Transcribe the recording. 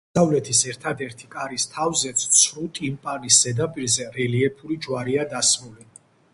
დასავლეთის ერთადერთი კარის თავზეც, ცრუ ტიმპანის ზედაპირზე რელიეფური ჯვარია დასმული.